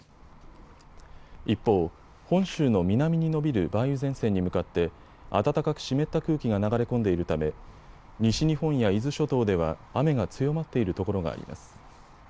一方、本州の南に延びる梅雨前線に向かって暖かく湿った空気が流れ込んでいるため西日本や伊豆諸島では雨が強まっているところがあります。